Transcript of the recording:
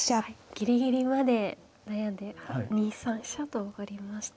ギリギリまで悩んで２三飛車と上がりました。